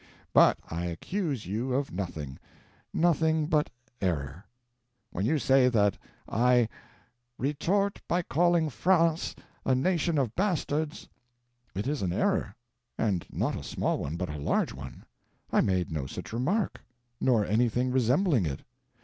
But I accuse you of nothing nothing but error. When you say that I "retort by calling France a nation of bastards," it is an error. And not a small one, but a large one. I made no such remark, nor anything resembling it.